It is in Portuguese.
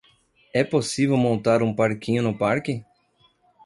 É possível montar um parquinho no parque?